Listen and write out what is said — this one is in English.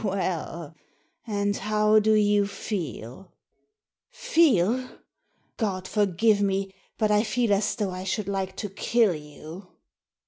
" Well, and how do you feel ?" "Feel! God forgive me, but I feel as though I should like to kill you."